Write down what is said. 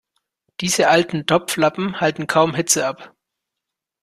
Diese alten Topflappen halten kaum Hitze ab.